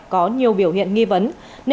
có nhiều biểu hiện nghi vấn